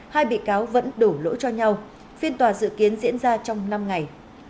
hai bị cáo vẫn đổ lỗi cho nhau phiên tòa dự kiến diễn ra trong năm ngày